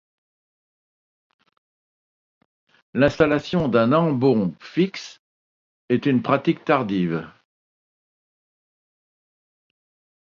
L'installation d'un ambon fixe est une pratique tardive.